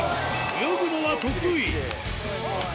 泳ぐのは得意。